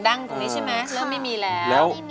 แล้วไม่มีแล้ว